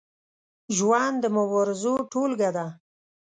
ژوند د مبارزو ټولګه ده.